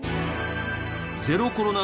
ゼロコロナ